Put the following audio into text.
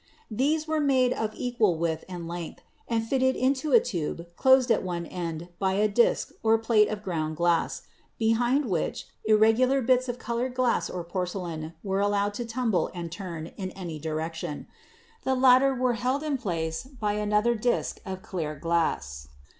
These were made of equal width and length, and fitted into a tube closed at one end by a disk or plate of ground glass, behind which irregular bits of colored glass or porcelain were allowed to tumble and turn in any direction. The latter were held in place by another disk of clear glass.